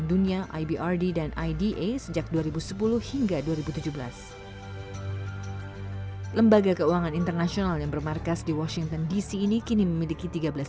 hasil kesehatan jika anda mengatasi masalah seperti tuberkulosis